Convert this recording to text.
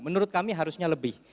menurut kami harusnya lebih